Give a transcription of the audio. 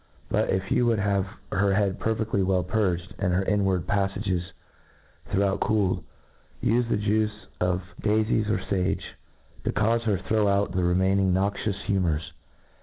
But, i^ you would havtf her head perfeftly well purged, and her inward paffages thoroughly cooled, life the juice of daifies or fage, to caufe her throw out the re maining noxidus humours.